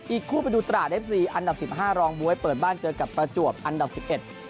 อีกคู่ไปดูตราเอฟซีอันดับสิบห้ารองบ๊วยเปิดบ้านเจอกับประจวบอันดับสิบเอ็ด